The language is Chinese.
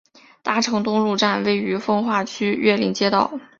大成东路站位于奉化区岳林街道。